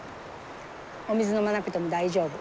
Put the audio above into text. お水飲まなくても大丈夫。